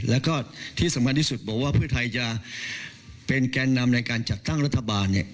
แล้วก็ที่สำคัญที่สุดบอกว่าเพื่อไทยจะเป็นแกนนำในการจัดตั้งรัฐบาล